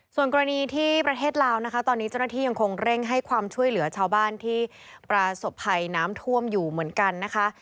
ส่วนกรณีที่ประเทศลาวนะคะตอนนี้เจ้าหน้าที่ยังคงเร่งให้ความช่วยเหลือชาวบ้านที่ประสบภัยน้ำท่วมอยู่เหมือนกันนะคะ